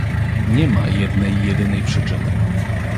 Nie ma jednej jedynej przyczyny